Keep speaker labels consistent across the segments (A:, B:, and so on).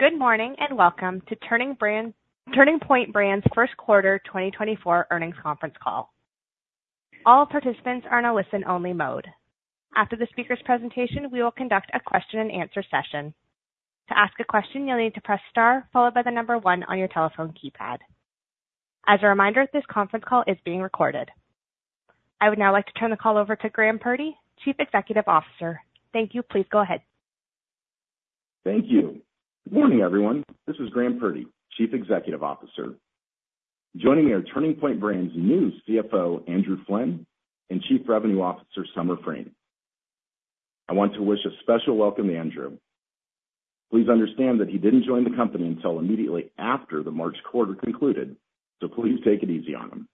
A: Good morning and welcome to Turning Point Brands' first quarter 2024 earnings conference call. All participants are in a listen-only mode. After the speaker's presentation, we will conduct a question-and-answer session. To ask a question, you'll need to press star followed by the number 1 on your telephone keypad. As a reminder, this conference call is being recorded. I would now like to turn the call over to Graham Purdy, Chief Executive Officer. Thank you. Please go ahead.
B: Thank you. Good morning, everyone. This is Graham Purdy, Chief Executive Officer. Joining me are Turning Point Brands' new CFO, Andrew Flynn, and Chief Revenue Officer, Summer Frein. I want to wish a special welcome to Andrew. Please understand that he didn't join the company until immediately after the March quarter concluded, so please take it easy on him.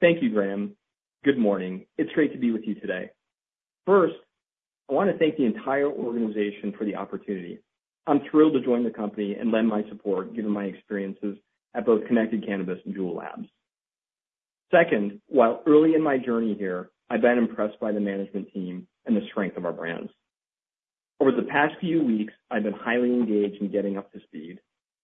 C: Thank you, Graham. Good morning. It's great to be with you today. First, I want to thank the entire organization for the opportunity. I'm thrilled to join the company and lend my support given my experiences at both Connected Cannabis and Juul Labs. Second, while early in my journey here, I've been impressed by the management team and the strength of our brands. Over the past few weeks, I've been highly engaged in getting up to speed.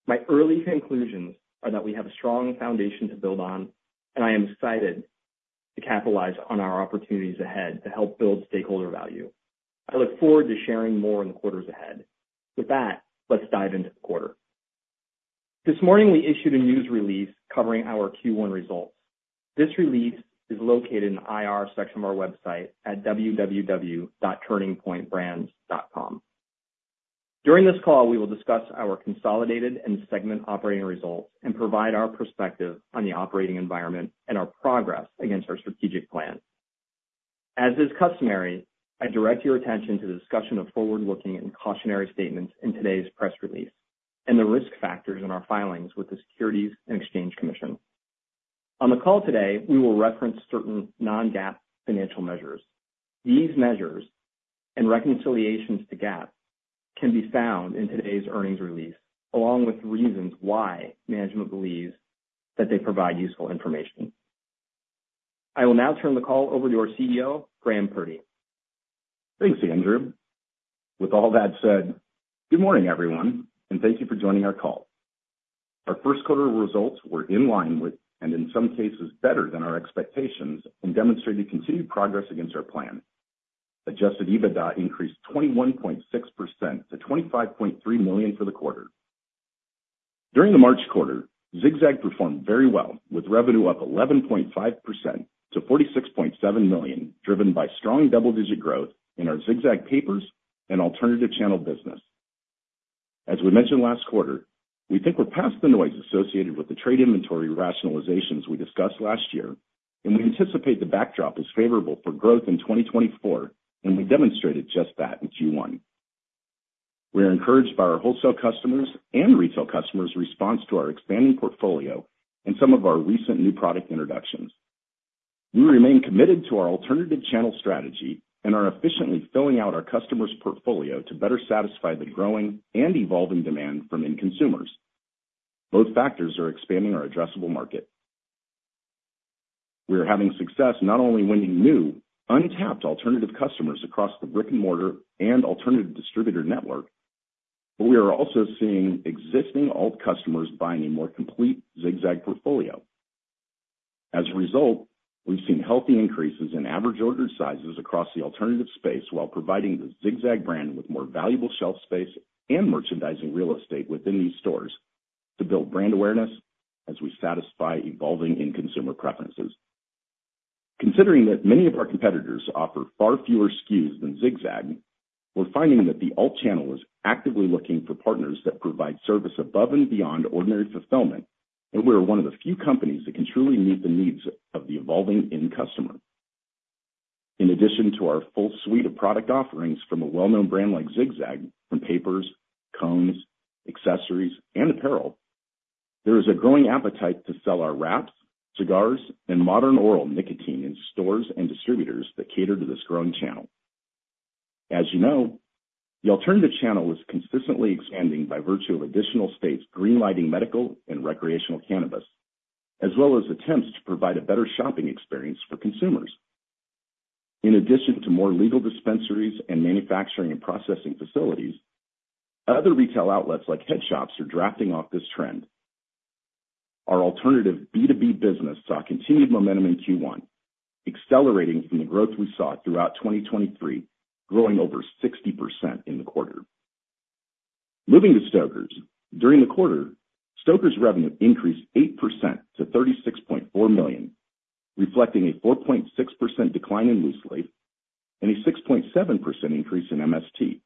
C: My early conclusions are that we have a strong foundation to build on, and I am excited to capitalize on our opportunities ahead to help build stakeholder value. I look forward to sharing more in the quarters ahead. With that, let's dive into the quarter. This morning, we issued a news release covering our Q1 results. This release is located in the IR section of our website at www.turningpointbrands.com. During this call, we will discuss our consolidated and segment operating results and provide our perspective on the operating environment and our progress against our strategic plan. As is customary, I direct your attention to the discussion of forward-looking and cautionary statements in today's press release and the risk factors in our filings with the Securities and Exchange Commission. On the call today, we will reference certain non-GAAP financial measures. These measures and reconciliations to GAAP can be found in today's earnings release, along with reasons why management believes that they provide useful information. I will now turn the call over to our CEO, Graham Purdy.
B: Thanks, Andrew. With all that said, good morning, everyone, and thank you for joining our call. Our first quarter results were in line with and, in some cases, better than our expectations and demonstrated continued progress against our plan. Adjusted EBITDA increased 21.6% to $25.3 million for the quarter. During the March quarter, Zig-Zag performed very well, with revenue up 11.5% to $46.7 million, driven by strong double-digit growth in our Zig-Zag papers and Alternative Channel business. As we mentioned last quarter, we think we're past the noise associated with the trade inventory rationalizations we discussed last year, and we anticipate the backdrop is favorable for growth in 2024, and we demonstrated just that in Q1. We are encouraged by our wholesale customers' and retail customers' response to our expanding portfolio and some of our recent new product introductions. We remain committed to our alternative channel strategy and are efficiently filling out our customers' portfolio to better satisfy the growing and evolving demand from end consumers. Both factors are expanding our addressable market. We are having success not only winning new, untapped alternative customers across the brick-and-mortar and alternative distributor network, but we are also seeing existing alt customers buying a more complete Zig-Zag portfolio. As a result, we've seen healthy increases in average order sizes across the alternative space while providing the Zig-Zag brand with more valuable shelf space and merchandising real estate within these stores to build brand awareness as we satisfy evolving end consumer preferences. Considering that many of our competitors offer far fewer SKUs than Zig-Zag, we're finding that the alt channel is actively looking for partners that provide service above and beyond ordinary fulfillment, and we are one of the few companies that can truly meet the needs of the evolving end customer. In addition to our full suite of product offerings from a well-known brand like Zig-Zag, from papers, cones, accessories, and apparel, there is a growing appetite to sell our wraps, cigars, and modern oral nicotine in stores and distributors that cater to this growing channel. As you know, the alternative channel is consistently expanding by virtue of additional states greenlighting medical and recreational cannabis, as well as attempts to provide a better shopping experience for consumers. In addition to more legal dispensaries and manufacturing and processing facilities, other retail outlets like headshops are drafting off this trend. Our alternative B2B business saw continued momentum in Q1, accelerating from the growth we saw throughout 2023, growing over 60% in the quarter. Moving to Stoker's, during the quarter, Stoker's revenue increased 8% to $36.4 million, reflecting a 4.6% decline in loose leaf and a 6.7% increase in MST.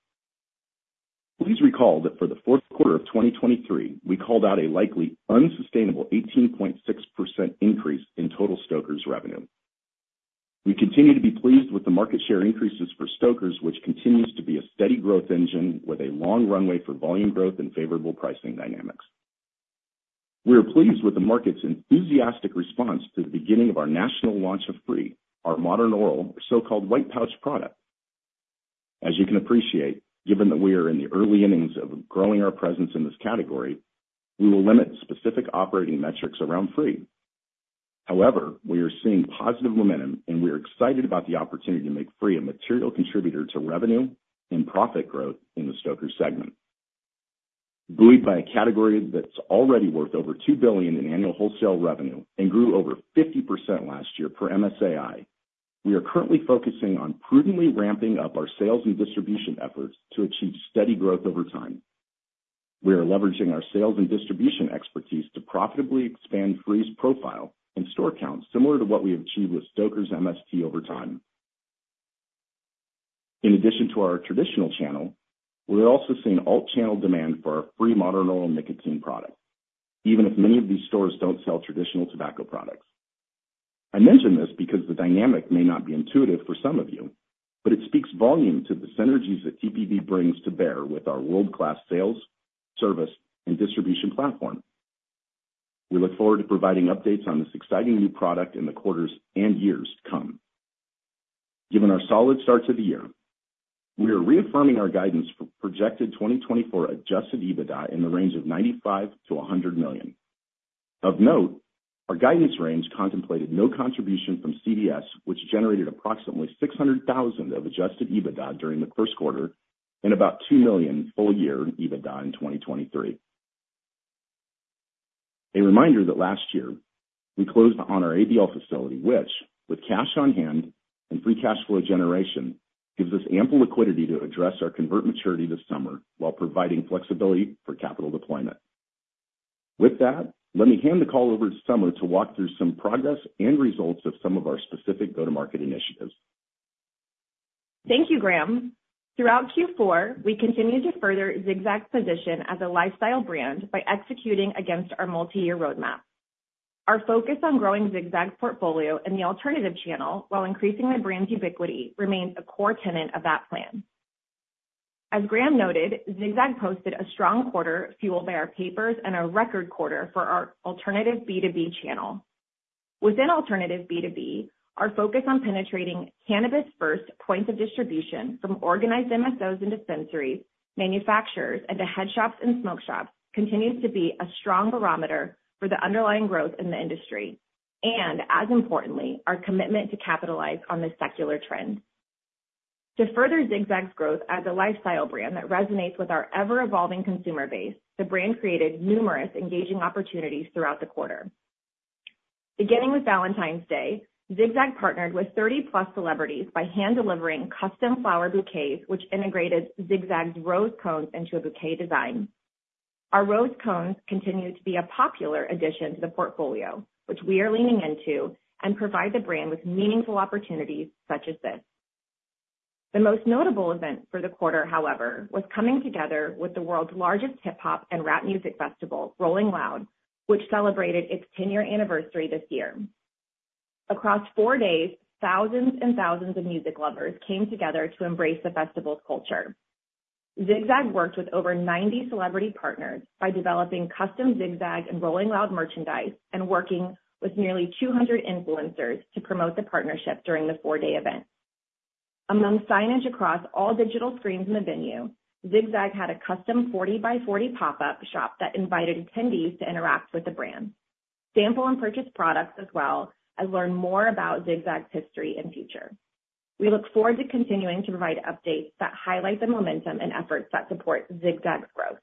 B: Please recall that for the fourth quarter of 2023, we called out a likely unsustainable 18.6% increase in total Stoker's revenue. We continue to be pleased with the market share increases for Stoker's, which continues to be a steady growth engine with a long runway for volume growth and favorable pricing dynamics. We are pleased with the market's enthusiastic response to the beginning of our national launch of FRE, our Modern Oral, so-called white pouch product. As you can appreciate, given that we are in the early innings of growing our presence in this category, we will limit specific operating metrics around FRE. However, we are seeing positive momentum, and we are excited about the opportunity to make FRE a material contributor to revenue and profit growth in the Stoker's segment. Buoyed by a category that's already worth over $2 billion in annual wholesale revenue and grew over 50% last year per MSAI, we are currently focusing on prudently ramping up our sales and distribution efforts to achieve steady growth over time. We are leveraging our sales and distribution expertise to profitably expand FRE's profile and store count, similar to what we achieved with Stoker's MST over time. In addition to our traditional channel, we're also seeing alt channel demand for our FRE modern oral nicotine product, even if many of these stores don't sell traditional tobacco products. I mention this because the dynamic may not be intuitive for some of you, but it speaks volume to the synergies that TPB brings to bear with our world-class sales, service, and distribution platform. We look forward to providing updates on this exciting new product in the quarters and years to come. Given our solid start to the year, we are reaffirming our guidance for projected 2024 Adjusted EBITDA in the range of $95 million-$100 million. Of note, our guidance range contemplated no contribution from CDS, which generated approximately $600,000 of Adjusted EBITDA during the first quarter and about $2 million full-year EBITDA in 2023. A reminder that last year, we closed on our ABL Facility, which, with cash on hand and free cash flow generation, gives us ample liquidity to address our Convertible Notes maturity this summer while providing flexibility for capital deployment. With that, let me hand the call over to Summer to walk through some progress and results of some of our specific go-to-market initiatives.
D: Thank you, Graham. Throughout Q4, we continue to further Zig-Zag's position as a lifestyle brand by executing against our multi-year roadmap. Our focus on growing Zig-Zag's portfolio in the alternative channel while increasing the brand's ubiquity remains a core tenet of that plan. As Graham noted, Zig-Zag posted a strong quarter fueled by our papers and a record quarter for our alternative B2B channel. Within alternative B2B, our focus on penetrating cannabis-first points of distribution from organized MSOs and dispensaries, manufacturers, and to headshops and smoke shops continues to be a strong barometer for the underlying growth in the industry and, as importantly, our commitment to capitalize on this secular trend. To further Zig-Zag's growth as a lifestyle brand that resonates with our ever-evolving consumer base, the brand created numerous engaging opportunities throughout the quarter. Beginning with Valentine's Day, Zig-Zag partnered with 30-plus celebrities by hand-delivering custom flower bouquets, which integrated Zig-Zag's Rose Cones into a bouquet design. Our Rose Cones continue to be a popular addition to the portfolio, which we are leaning into and provide the brand with meaningful opportunities such as this. The most notable event for the quarter, however, was coming together with the world's largest hip-hop and rap music festival, Rolling Loud, which celebrated its 10-year anniversary this year. Across four days, thousands and thousands of music lovers came together to embrace the festival's culture. Zig-Zag worked with over 90 celebrity partners by developing custom Zig-Zag and Rolling Loud merchandise and working with nearly 200 influencers to promote the partnership during the four-day event. Among signage across all digital screens in the venue, Zig-Zag had a custom 40x40 pop-up shop that invited attendees to interact with the brand, sample and purchase products as well, and learn more about Zig-Zag's history and future. We look forward to continuing to provide updates that highlight the momentum and efforts that support Zig-Zag's growth.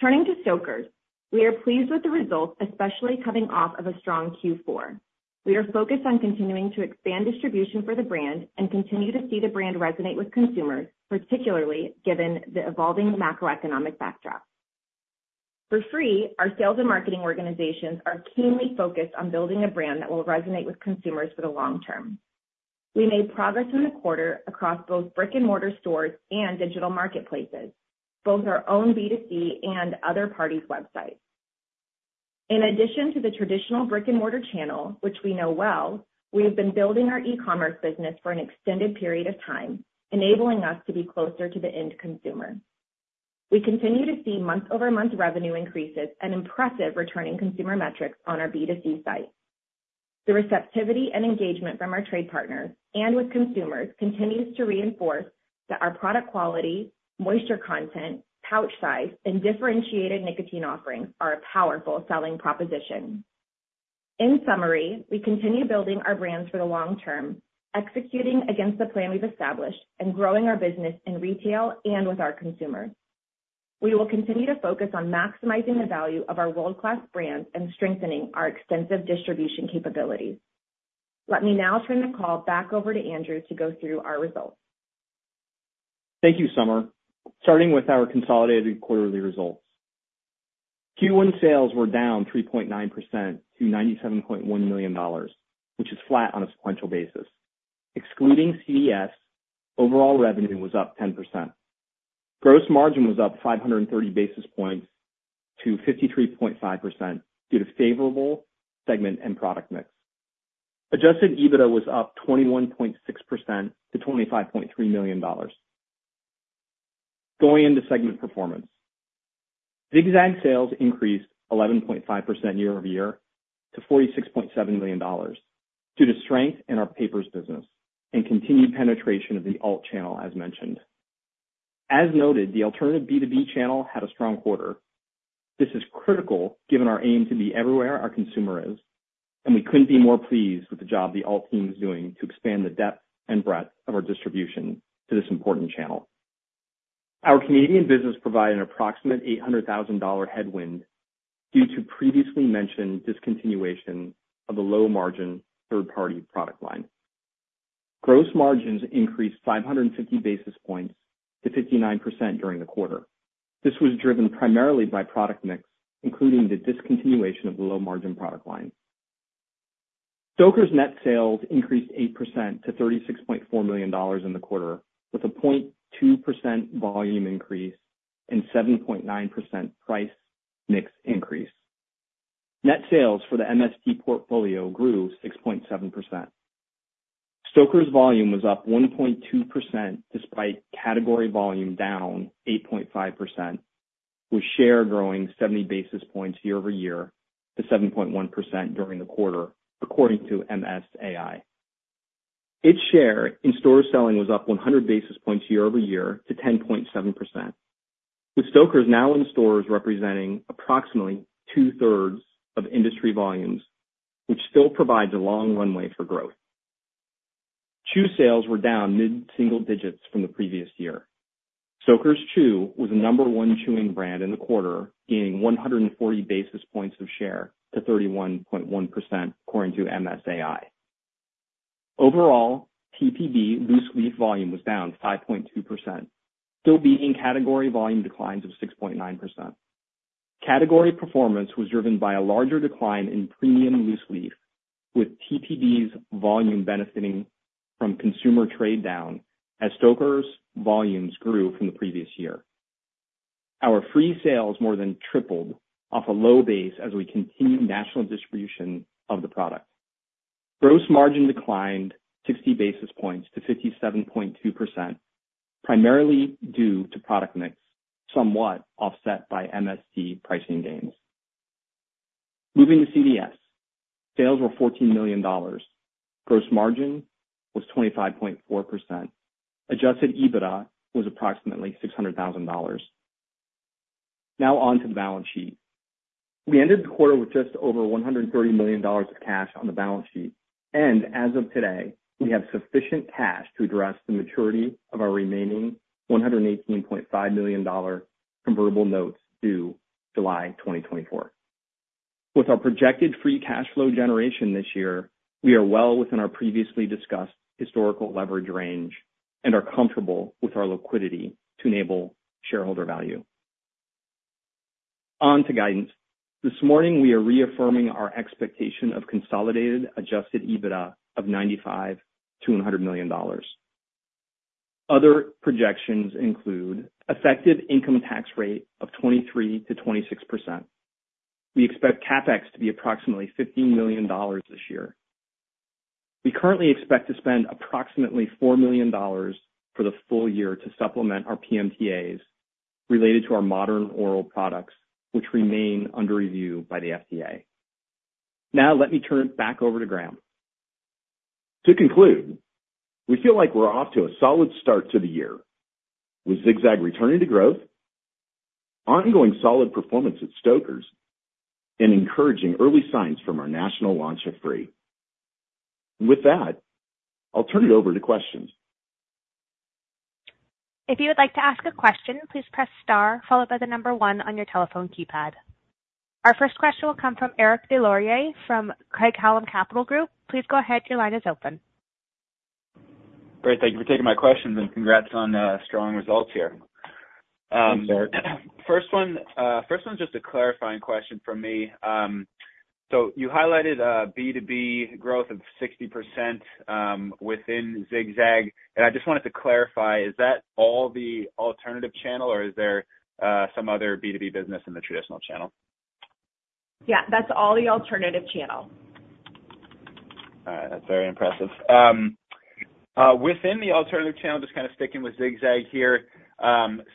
D: Turning to Stoker's, We are pleased with the results, especially coming off of a strong Q4. We are focused on continuing to expand distribution for the brand and continue to see the brand resonate with consumers, particularly given the evolving macroeconomic backdrop. For Free, our sales and marketing organizations are keenly focused on building a brand that will resonate with consumers for the long term. We made progress in the quarter across both brick-and-mortar stores and digital marketplaces, both our own B2C and other parties' websites. In addition to the traditional brick-and-mortar channel, which we know well, we have been building our e-commerce business for an extended period of time, enabling us to be closer to the end consumer. We continue to see month-over-month revenue increases and impressive returning consumer metrics on our B2C site. The receptivity and engagement from our trade partners and with consumers continues to reinforce that our product quality, moisture content, pouch size, and differentiated nicotine offerings are a powerful selling proposition. In summary, we continue building our brands for the long term, executing against the plan we've established, and growing our business in retail and with our consumers. We will continue to focus on maximizing the value of our world-class brands and strengthening our extensive distribution capabilities. Let me now turn the call back over to Andrew to go through our results.
C: Thank you, Summer. Starting with our consolidated quarterly results. Q1 sales were down 3.9% to $97.1 million, which is flat on a sequential basis. Excluding CVS, overall revenue was up 10%. Gross margin was up 530 basis points to 53.5% due to favorable segment and product mix. Adjusted EBITDA was up 21.6% to $25.3 million. Going into segment performance, Zig-Zag sales increased 11.5% year-over-year to $46.7 million due to strength in our papers business and continued penetration of the alt channel, as mentioned. As noted, the alternative B2B channel had a strong quarter. This is critical given our aim to be everywhere our consumer is, and we couldn't be more pleased with the job the alt team is doing to expand the depth and breadth of our distribution to this important channel. Our Canadian business provided an approximate $800,000 headwind due to previously mentioned discontinuation of the low-margin third-party product line. Gross margins increased 550 basis points to 59% during the quarter. This was driven primarily by product mix, including the discontinuation of the low-margin product line. Stoker's net sales increased 8% to $36.4 million in the quarter, with a 0.2% volume increase and 7.9% price mix increase. Net sales for the MST portfolio grew 6.7%. Stoker's volume was up 1.2% despite category volume down 8.5%, with share growing 70 basis points year-over-year to 7.1% during the quarter, according to MSAI. Its share in store selling was up 100 basis points year-over-year to 10.7%, with Stoker's now in stores representing approximately two-thirds of industry volumes, which still provides a long runway for growth. Chew sales were down mid-single digits from the previous year. Stoker's Chew was the number one chewing brand in the quarter, gaining 140 basis points of share to 31.1%, according to MSAI. Overall, TPB loose leaf volume was down 5.2%, still beating category volume declines of 6.9%. Category performance was driven by a larger decline in premium loose leaf, with TPB's volume benefiting from consumer trade down as Stoker's volumes grew from the previous year. Our Free sales more than tripled off a low base as we continued national distribution of the product. Gross margin declined 60 basis points to 57.2%, primarily due to product mix, somewhat offset by MST pricing gains. Moving to CDS, sales were $14 million. Gross margin was 25.4%. Adjusted EBITDA was approximately $600,000. Now onto the balance sheet. We ended the quarter with just over $130 million of cash on the balance sheet. As of today, we have sufficient cash to address the maturity of our remaining $118.5 million convertible notes due July 2024. With our projected free cash flow generation this year, we are well within our previously discussed historical leverage range and are comfortable with our liquidity to enable shareholder value. Onto guidance. This morning, we are reaffirming our expectation of consolidated adjusted EBITDA of $95-$100 million. Other projections include effective income tax rate of 23%-26%. We expect CapEx to be approximately $15 million this year. We currently expect to spend approximately $4 million for the full year to supplement our PMTAs related to our modern oral products, which remain under review by the FDA. Now let me turn it back over to Graham.
B: To conclude, we feel like we're off to a solid start to the year with Zig-Zag returning to growth, ongoing solid performance at Stoker's, and encouraging early signs from our national launch of FRE. With that, I'll turn it over to questions.
A: If you would like to ask a question, please press star, followed by the number one on your telephone keypad. Our first question will come from Eric Des Lauriers from Craig-Hallum Capital Group. Please go ahead. Your line is open.
E: Great. Thank you for taking my questions, and congrats on strong results here. First one's just a clarifying question from me. So you highlighted B2B growth of 60% within Zig-Zag. And I just wanted to clarify, is that all the alternative channel, or is there some other B2B business in the traditional channel?
D: Yeah, that's all the Alternative Channel.
E: All right. That's very impressive. Within the alternative channel, just kind of sticking with Zig-Zag here.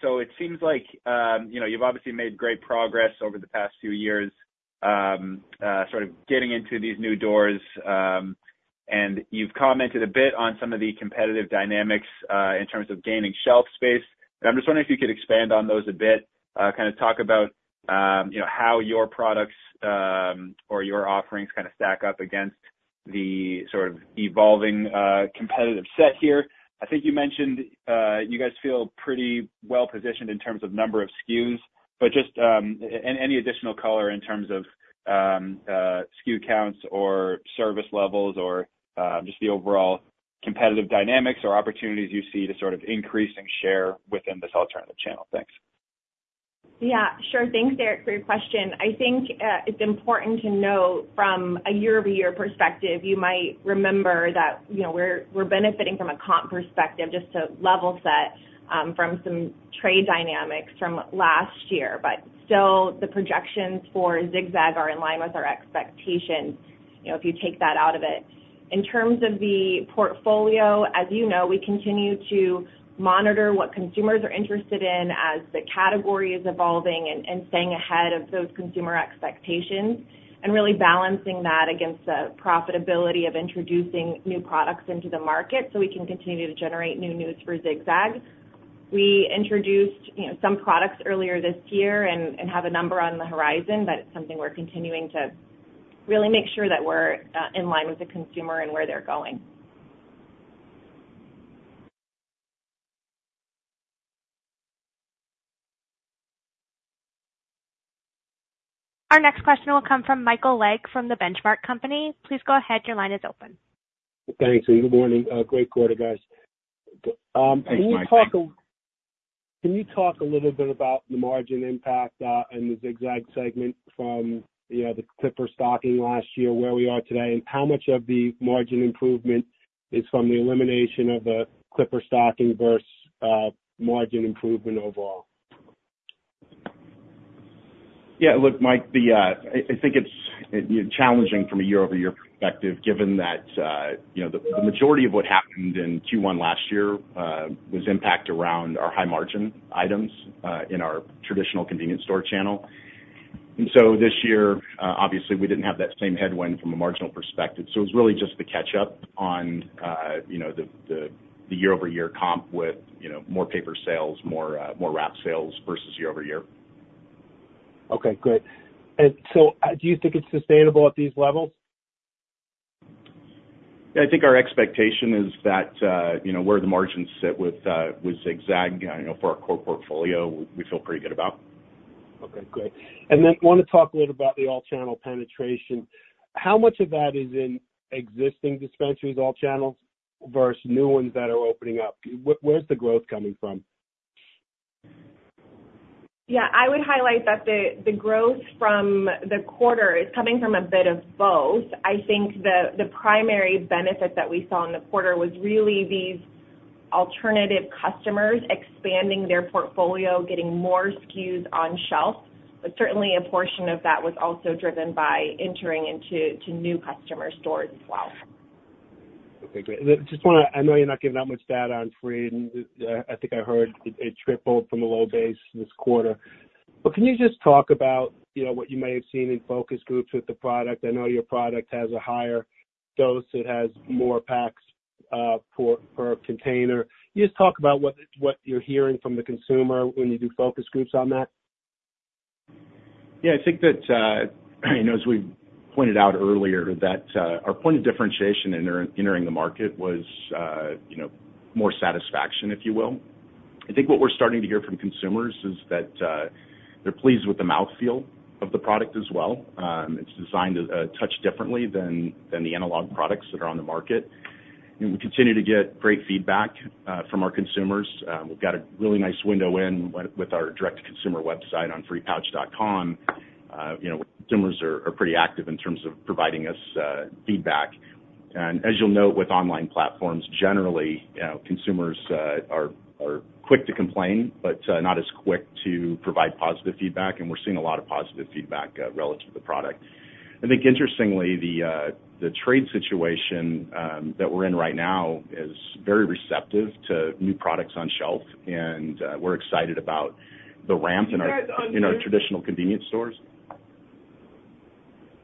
E: So it seems like you've obviously made great progress over the past few years sort of getting into these new doors. And you've commented a bit on some of the competitive dynamics in terms of gaining shelf space. And I'm just wondering if you could expand on those a bit, kind of talk about how your products or your offerings kind of stack up against the sort of evolving competitive set here? I think you mentioned you guys feel pretty well-positioned in terms of number of SKUs, but just any additional color in terms of SKU counts or service levels or just the overall competitive dynamics or opportunities you see to sort of increasing share within this alternative channel. Thanks.
D: Yeah, sure. Thanks, Eric, for your question. I think it's important to know from a year-over-year perspective, you might remember that we're benefiting from a comp perspective just to level set from some trade dynamics from last year. But still, the projections for Zig-Zag are in line with our expectations if you take that out of it. In terms of the portfolio, as you know, we continue to monitor what consumers are interested in as the category is evolving and staying ahead of those consumer expectations and really balancing that against the profitability of introducing new products into the market so we can continue to generate new news for Zig-Zag. We introduced some products earlier this year and have a number on the horizon, but it's something we're continuing to really make sure that we're in line with the consumer and where they're going.
A: Our next question will come from Michael Legg from The Benchmark Company. Please go ahead. Your line is open.
F: Thanks. Good morning. Great quarter, guys. Can you talk a little bit about the margin impact in the Zig-Zag segment from the Clipper stocking last year, where we are today, and how much of the margin improvement is from the elimination of the Clipper stocking versus margin improvement overall?
B: Yeah. Look, Mike, I think it's challenging from a year-over-year perspective given that the majority of what happened in Q1 last year was impact around our high-margin items in our traditional convenience store channel. And so this year, obviously, we didn't have that same headwind from a marginal perspective. So it was really just the catch-up on the year-over-year comp with more paper sales, more wrap sales versus year over year.
F: Okay. Good. And so do you think it's sustainable at these levels?
B: Yeah. I think our expectation is that where the margins sit with Zig-Zag for our core portfolio, we feel pretty good about.
F: Okay. Great. And then want to talk a little about the all-channel penetration. How much of that is in existing dispensaries all-channel versus new ones that are opening up? Where's the growth coming from?
D: Yeah. I would highlight that the growth from the quarter is coming from a bit of both. I think the primary benefit that we saw in the quarter was really these alternative customers expanding their portfolio, getting more SKUs on shelf. But certainly, a portion of that was also driven by entering into new customer stores as well.
F: Okay. Great. I know you're not giving that much data on Free. And I think I heard it tripled from a low base this quarter. But can you just talk about what you may have seen in focus groups with the product? I know your product has a higher dose. It has more packs per container. Can you just talk about what you're hearing from the consumer when you do focus groups on that?
B: Yeah. I think that, as we pointed out earlier, that our point of differentiation in entering the market was more satisfaction, if you will. I think what we're starting to hear from consumers is that they're pleased with the mouthfeel of the product as well. It's designed a touch differently than the analog products that are on the market. And we continue to get great feedback from our consumers. We've got a really nice window in with our direct-to-consumer website on freepouch.com, where consumers are pretty active in terms of providing us feedback. And as you'll note, with online platforms, generally, consumers are quick to complain but not as quick to provide positive feedback. And we're seeing a lot of positive feedback relative to the product. I think, interestingly, the trade situation that we're in right now is very receptive to new products on shelf. We're excited about the ramp in our traditional convenience stores.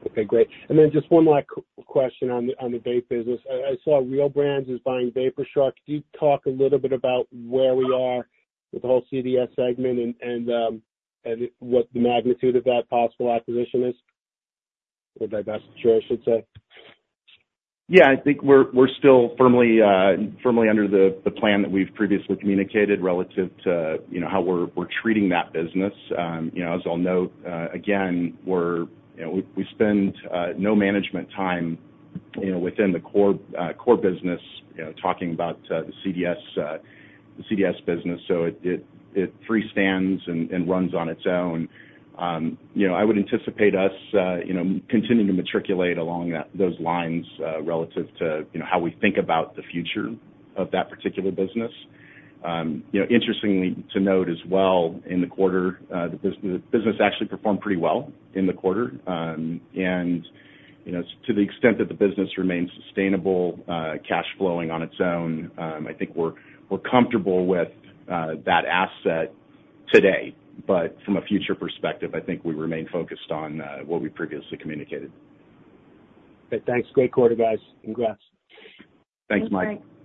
F: Okay. Great. And then just one last question on the vape business. I saw Real Brands is buying Vapor Shark. Can you talk a little bit about where we are with the whole CVS segment and what the magnitude of that possible acquisition is, or that's what you should say?
B: Yeah. I think we're still firmly under the plan that we've previously communicated relative to how we're treating that business. As I'll note, again, we spend no management time within the core business talking about the CDS business. So it freestands and runs on its own. I would anticipate us continuing to matriculate along those lines relative to how we think about the future of that particular business. Interestingly to note as well, in the quarter, the business actually performed pretty well in the quarter. And to the extent that the business remains sustainable, cash flowing on its own, I think we're comfortable with that asset today. But from a future perspective, I think we remain focused on what we previously communicated.
F: Okay. Thanks. Great quarter, guys. Congrats.
B: Thanks, Mike.
A: Thanks, Mike.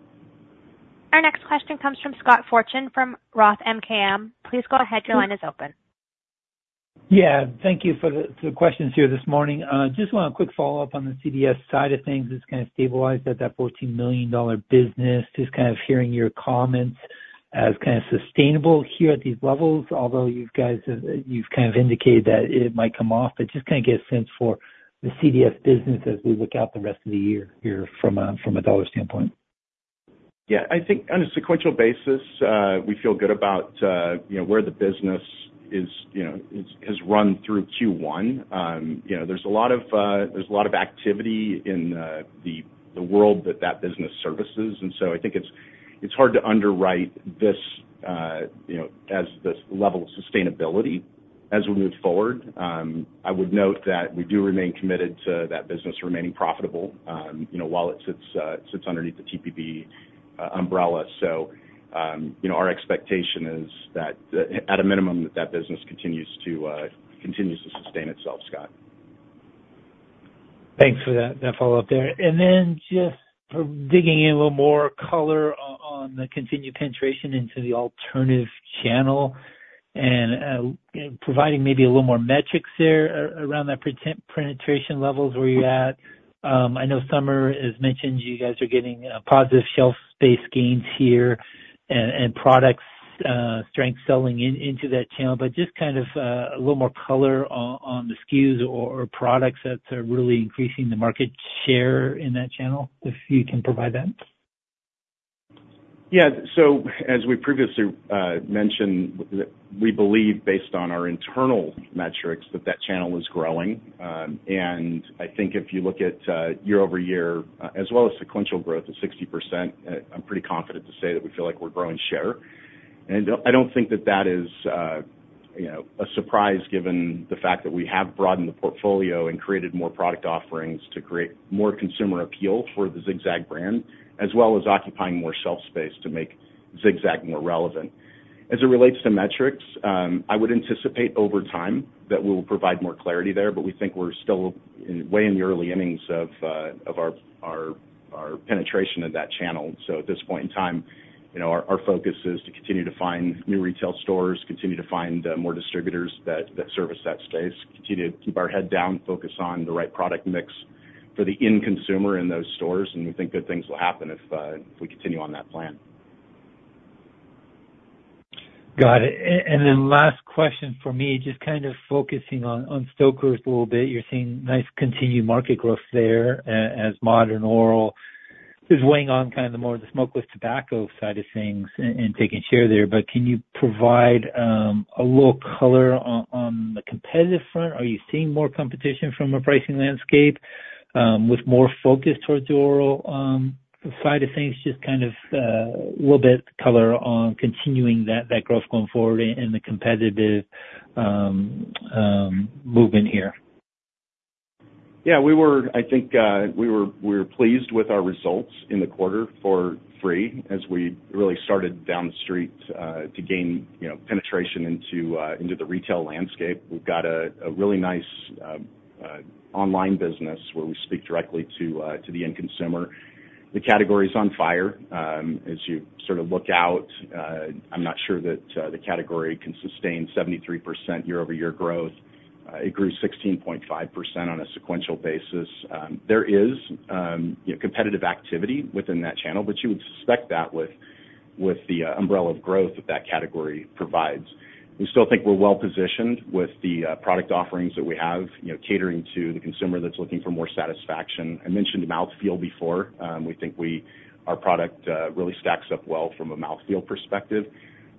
A: Our next question comes from Scott Fortune from Roth MKM. Please go ahead. Your line is open.
G: Yeah. Thank you for the questions here this morning. Just want a quick follow-up on the CDS side of things. It's kind of stabilized at that $14 million business. Just kind of hearing your comments as kind of sustainable here at these levels, although you've kind of indicated that it might come off. But just kind of get a sense for the CDS business as we look out the rest of the year here from a dollar standpoint.
B: Yeah. I think on a sequential basis, we feel good about where the business has run through Q1. There's a lot of activity in the world that business services. And so I think it's hard to underwrite this as this level of sustainability as we move forward. I would note that we do remain committed to that business remaining profitable while it sits underneath the TPB umbrella. So our expectation is that, at a minimum, that business continues to sustain itself, Scott.
G: Thanks for that follow-up there. And then just digging in a little more color on the continued penetration into the alternative channel and providing maybe a little more metrics there around that penetration levels, where you're at. I know Summer has mentioned you guys are getting positive shelf space gains here and product strength selling into that channel. But just kind of a little more color on the SKUs or products that are really increasing the market share in that channel, if you can provide that.
B: Yeah. So as we previously mentioned, we believe, based on our internal metrics, that that channel is growing. And I think if you look at year-over-year, as well as sequential growth of 60%, I'm pretty confident to say that we feel like we're growing share. And I don't think that that is a surprise given the fact that we have broadened the portfolio and created more product offerings to create more consumer appeal for the Zig-Zag brand, as well as occupying more shelf space to make Zig-Zag more relevant. As it relates to metrics, I would anticipate over time that we will provide more clarity there. But we think we're still way in the early innings of our penetration of that channel. At this point in time, our focus is to continue to find new retail stores, continue to find more distributors that service that space, continue to keep our head down, focus on the right product mix for the end consumer in those stores. We think good things will happen if we continue on that plan.
G: Got it. And then last question for me, just kind of focusing on Stoker's a little bit. You're seeing nice continued market growth there as Modern Oral is weighing on kind of more the smokeless tobacco side of things and taking share there. But can you provide a little color on the competitive front? Are you seeing more competition from a pricing landscape with more focus towards the oral side of things? Just kind of a little bit color on continuing that growth going forward in the competitive movement here.
B: Yeah. I think we were pleased with our results in the quarter for Free as we really started down the street to gain penetration into the retail landscape. We've got a really nice online business where we speak directly to the end consumer. The category is on fire. As you sort of look out, I'm not sure that the category can sustain 73% year-over-year growth. It grew 16.5% on a sequential basis. There is competitive activity within that channel, but you would suspect that with the umbrella of growth that that category provides. We still think we're well-positioned with the product offerings that we have catering to the consumer that's looking for more satisfaction. I mentioned mouthfeel before. We think our product really stacks up well from a mouthfeel perspective.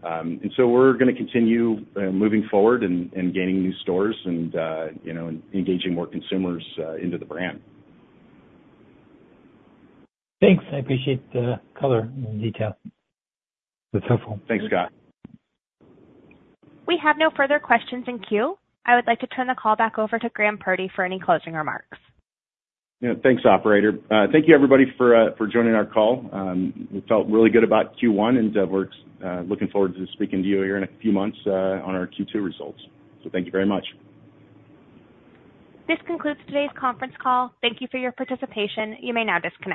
B: And so we're going to continue moving forward and gaining new stores and engaging more consumers into the brand.
G: Thanks. I appreciate the color and detail. That's helpful.
B: Thanks, Scott.
A: We have no further questions in queue. I would like to turn the call back over to Graham Purdy for any closing remarks.
B: Yeah. Thanks, operator. Thank you, everybody, for joining our call. We felt really good about Q1, and we're looking forward to speaking to you here in a few months on our Q2 results. So thank you very much.
A: This concludes today's conference call. Thank you for your participation. You may now disconnect.